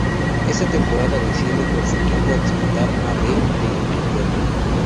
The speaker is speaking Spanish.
Esta temporada desciende con su equipo a disputar a B de Inglaterra.